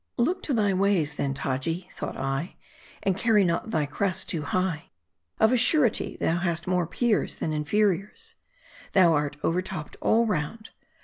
Look to thy ways then, Taji, thought I, and carry not thy crest too high. Of a surety, thou hast more peers than inferiors. Thou art overtopped all round.